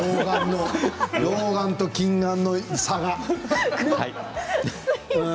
老眼と近眼の差が。